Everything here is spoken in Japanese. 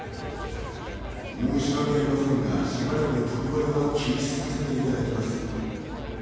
申しわけありませんがしばらく特売は休止させていただきます。